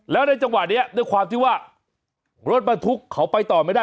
แล้วในจังหวะนี้ด้วยความที่ว่ารถบรรทุกเขาไปต่อไม่ได้